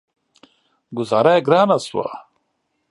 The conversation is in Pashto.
ګوذاره يې ګرانه شوه.